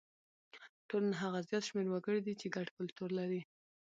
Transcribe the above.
ټولنه هغه زیات شمېر وګړي دي چې ګډ کلتور لري.